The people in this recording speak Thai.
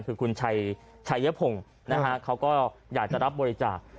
คือคุณชัยชัยพงศ์นะฮะเขาก็อยากจะรับบริจาค